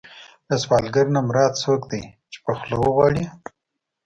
له سوالګر نه مراد څوک دی چې په خوله وغواړي.